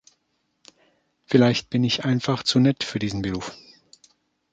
Vielleicht bin ich einfach zu nett für diesen Beruf.